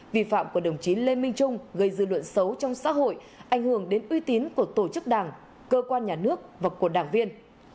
vi phạm của đồng chí lê minh trung gây dư luận xấu trong xã hội ảnh hưởng đến uy tín của tổ chức đảng cơ quan nhà nước và của đảng viên